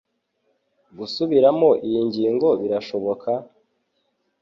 Gusubiramo iyi ngingo birashoboka?